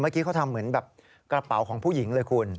เมื่อกี้เขาทำเหมือนแบบกระเป๋าของผู้หญิงเลยคุณ